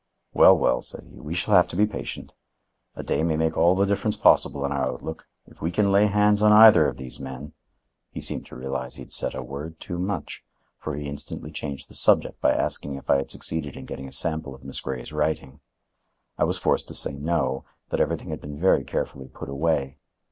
"Well, well," said he, "we shall have to be patient. A day may make all the difference possible in our outlook. If we can lay hands on either of these men—" He seemed to realize he had said a word too much, for he instantly changed the subject by asking if I had succeeded in getting a sample of Miss Grey's writing. I was forced to say no; that everything had been very carefully put away.